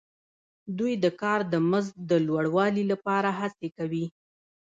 دوی د کار د مزد د لوړوالي لپاره هڅې کوي